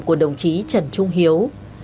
của đồng chí trần trung hiếu